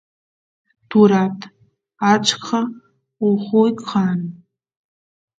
turat achka ujuy kan